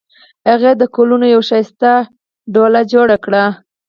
هغې د ګلونو یوه ښایسته ډوله جوړه کړې